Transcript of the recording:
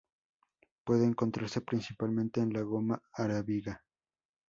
Puede encontrarse principalmente en la goma arábiga.